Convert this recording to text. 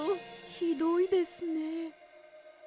ひどいですね。